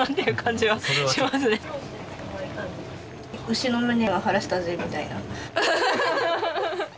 牛の無念は晴らしたぜみたいな。